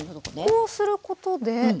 こうすることで。